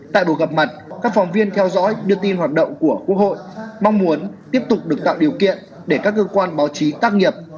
tại buổi gặp mặt các phóng viên theo dõi đưa tin hoạt động của quốc hội mong muốn tiếp tục được tạo điều kiện để các cơ quan báo chí tác nghiệp